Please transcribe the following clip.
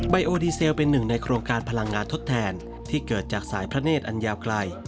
ไอโอดีเซลเป็นหนึ่งในโครงการพลังงานทดแทนที่เกิดจากสายพระเนธอันยาวไกล